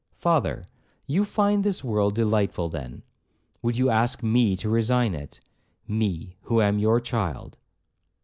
—'Father, you find this world delightful then,—would you ask me to resign it,—me, who am your child.'